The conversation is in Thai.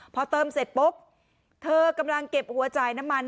พอเติมเสร็จปุ๊บเธอกำลังเก็บหัวจ่ายน้ำมัน